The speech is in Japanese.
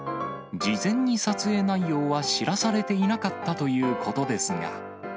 事前に撮影内容は知らされていなかったということですが。